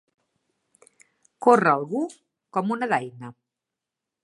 Córrer algú com una daina.